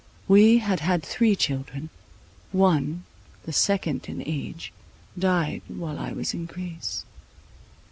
We had had three children; one, the second in age, died while I was in Greece.